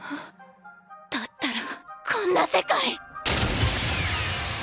だったらこんな世界！